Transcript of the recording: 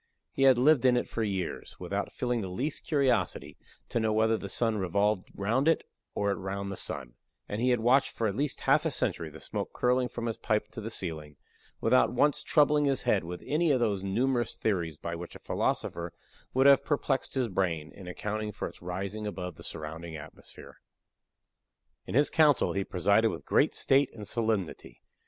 He had lived in it for years, without feeling the least curiosity to know whether the sun revolved round it, or it round the sun; and he had watched for at least half a century the smoke curling from his pipe to the ceiling, without once troubling his head with any of those numerous theories by which a philosopher would have perplexed his brain, in accounting for its rising above the surrounding atmosphere. In his council he presided with great state and solemnity.